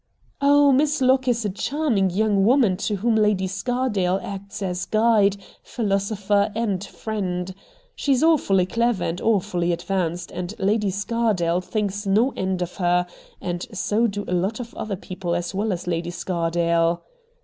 'Oh, Miss Locke is a charming young woman to whom Lady Scardale acts as guide, philosopher, and friend. She is awfully clever, IN THE DOORWAY Sy and awfully advanced, and Lady Scar dale thinks no end of her — and so do a lot of other people as well as Lady Scardale.'